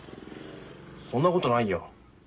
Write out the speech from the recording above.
そんなことないよ。